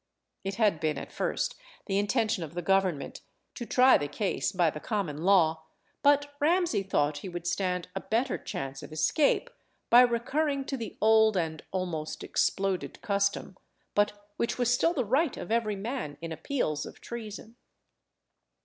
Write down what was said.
It had been at first the intention of the government to try the case by the common law, but Ramsay thought he would stand a better chance of escape by recurring to the old and almost exploded custom, but which was still the right of every man in appeals of treason.